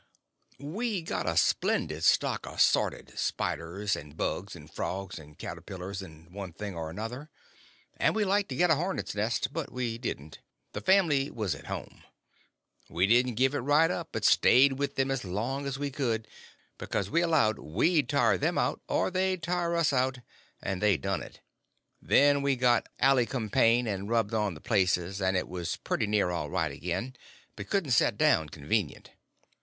We got a splendid stock of sorted spiders, and bugs, and frogs, and caterpillars, and one thing or another; and we like to got a hornet's nest, but we didn't. The family was at home. We didn't give it right up, but stayed with them as long as we could; because we allowed we'd tire them out or they'd got to tire us out, and they done it. Then we got allycumpain and rubbed on the places, and was pretty near all right again, but couldn't set down convenient.